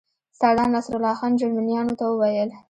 سردار نصرالله خان جرمنیانو ته وویل.